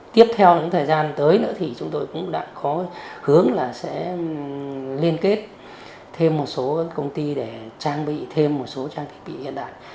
tiếp theo trong thời gian tới nữa thì chúng tôi cũng đã có hướng là sẽ liên kết thêm một số công ty để trang bị thêm một số trang thiết bị hiện đại